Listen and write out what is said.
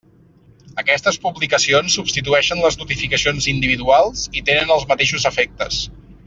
Aquestes publicacions substitueixen les notificacions individuals i tenen els mateixos efectes.